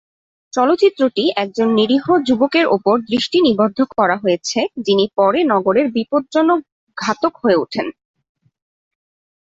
চলচ্চিত্রটি একজন নিরীহ যুবকের উপর দৃষ্টি নিবদ্ধ করা হয়েছে যিনি পরে নগরের বিপজ্জনক ঘাতক হয়ে ওঠেন।